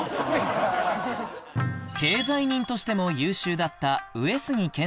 経済人としても優秀だった上杉謙信